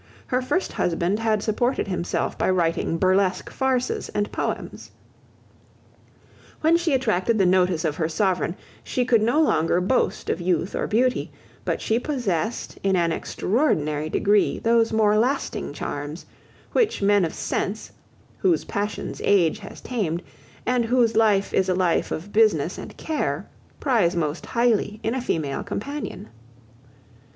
Her first husband had supported himself by writing burlesque farces and poems. When she attracted the notice of her sovereign, she could no longer boast of youth or beauty: but she possessed in an extraordinary degree those more lasting charms, which men of sense, whose passions age has tamed, and whose life is a life of business and care, prize most highly in a female companion.